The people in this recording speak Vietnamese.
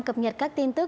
cập nhật các tin tức